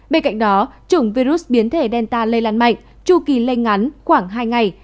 bên cạnh đó trùng virus biến thể delta lây lan mạnh tru kỳ lây ngắn khoảng hai ngày